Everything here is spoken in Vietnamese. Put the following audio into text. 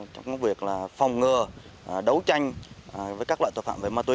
trong các việc là phòng ngừa đấu tranh với các loại tội phạm về ma túy